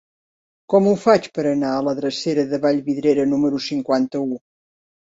Com ho faig per anar a la drecera de Vallvidrera número cinquanta-u?